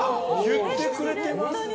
言ってくれてます。